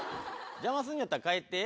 邪魔すんやったら帰って？